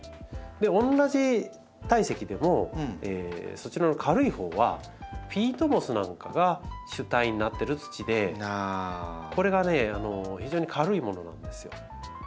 同じ体積でもそちらの軽いほうはピートモスなんかが主体になってる土でこれがね非常に軽いものなんです。